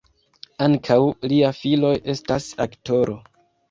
Ankaŭ lia filo estas aktoro.